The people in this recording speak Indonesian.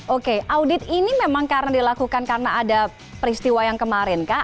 oke audit ini memang karena dilakukan karena ada peristiwa yang kemarin kak